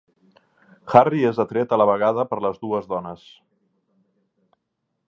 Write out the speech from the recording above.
Harry és atret a la vegada per les dues dones.